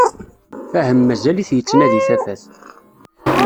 Fahem mazal-t yettnadi tafat.